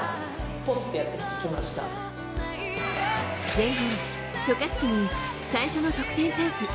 前半、渡嘉敷に最初の得点チャンス。